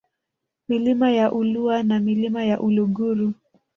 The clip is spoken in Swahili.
Milima ya Ulua na Milima ya Uluguru